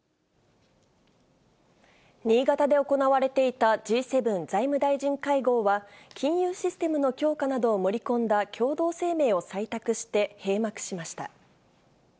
新潟で行われていたＧ７財務大臣会合は、金融システムの強化などを盛り込んだ共同声明を採択して、閉幕しました。